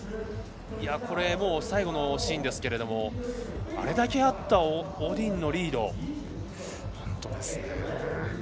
最後のシーンですがあれだけあったオディンのリード。